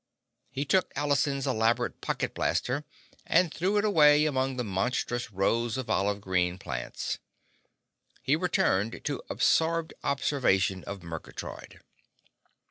He took Allison's elaborate pocket blaster and threw it away among the monotonous rows of olive green plants. He returned to absorbed observation of Murgatroyd.